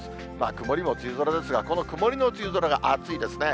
曇りも梅雨空ですが、この曇りの梅雨空が暑いですね。